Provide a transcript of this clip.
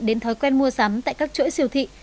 đến thói quen mua sắm tại các chuỗi siêu thị